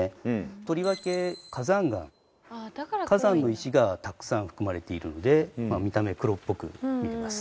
とりわけ火山岩火山の石がたくさん含まれているので見た目黒っぽく見えます。